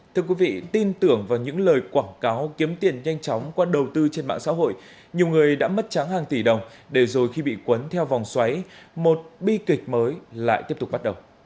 thưa quý vị tin tưởng vào những lời quảng cáo kiếm tiền nhanh chóng qua đầu tư trên mạng xã hội nhiều người đã mất tráng hàng tỷ đồng để rồi khi bị quấn theo vòng xoáy một bi kịch mới lại tiếp tục bắt đầu